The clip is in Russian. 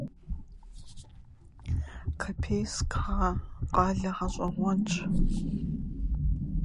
Копейск — интересный город